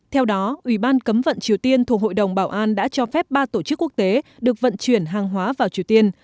theo đó ủy ban cấm vận triều tiên thuộc hội đồng bảo an đã cho phép ba tổ chức quốc tế được vận chuyển hàng hóa vào triều tiên